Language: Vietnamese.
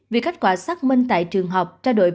vì kết quả xác minh tại trường học